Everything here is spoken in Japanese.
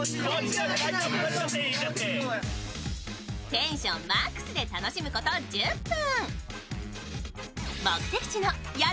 テンションマックスで楽しむこと１０分。